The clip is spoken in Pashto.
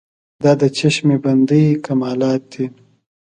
دا د چشم بندۍ کمالات دي.